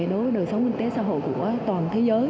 đối với đời sống kinh tế xã hội của toàn thế giới